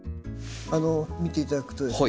見て頂くとですね